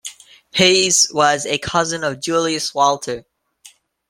His was a cousin of Julius Walter.